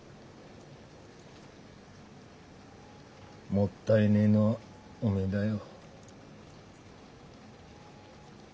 もったいねえのはおめえだよ。